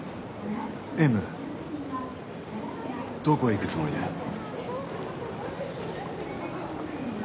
Ｍどこへ行くつもりだ？